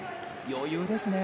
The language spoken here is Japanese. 余裕ですね。